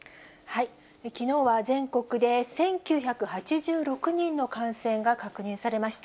きのうは全国で１９８６人の感染が確認されました。